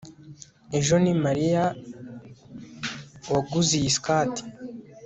Ejo ni Mariya waguze iyi skirt